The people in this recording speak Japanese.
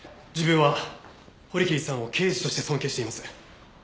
自分は堀切さんを刑事として尊敬しています。